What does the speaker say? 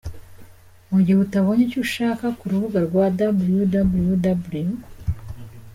Mu gihe utabonye icyo ushaka ku rubuga rwa www.